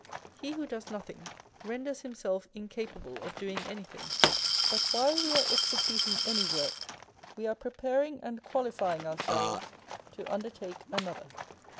He who does nothing, renders himself incapable of doing anything ; but while we are executing any work, we are prej3aring and qualifying ourselves to undertake another.